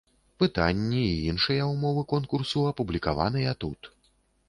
Пытанні і іншыя ўмовы конкурсу апублікаваныя тут.